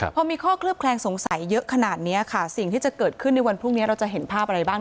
พอมีข้อเคลือบแคลงสงสัยเยอะขนาดนี้ค่ะสิ่งที่จะเกิดขึ้นในวันพรุ่งนี้เราจะเห็นภาพอะไรบ้าง